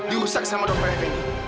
dirusak sama dokter effendi